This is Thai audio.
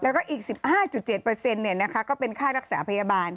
แล้วก็อีก๑๕๗เนี่ยนะคะก็เป็นค่ารักษาพยาบาล